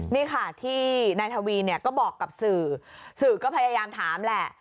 นี่ค่ะที่นายทวีเนี่ยก็บอกกับสื่อสื่อก็พยายามถามแหละ